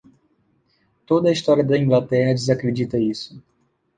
Toda a história da Inglaterra desacredita isso.